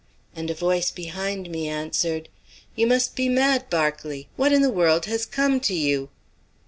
and a voice behind me answered: "You must be mad, Berkeley! What in the world has come to you?"